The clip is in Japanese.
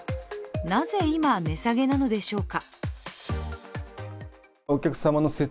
なぜ今、値下げなのでしょうか。